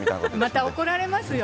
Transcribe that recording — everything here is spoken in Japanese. また怒られますよ。